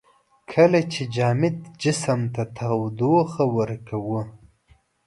کله چې جامد جسم ته تودوخه ورکوو.